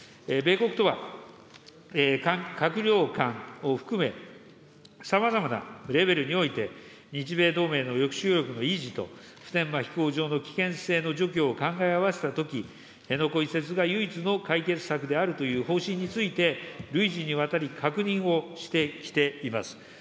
米国とは、閣僚間を含め、さまざまなレベルにおいて、日米同盟の抑止力の維持と、普天間飛行場の危険性の除去を考え合わせたとき、辺野古移設が唯一の解決策であるという方針について、累次にわたり確認をしてきています。